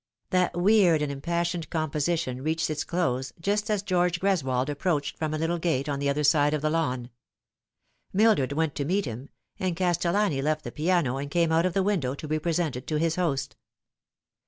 That weird and impassioned composition reached its close just as George Greswold approached from a little gate on the other side of the lawn. Mildred went to meet him, and Castel lani left the piano and came out of the window to be presented to his host.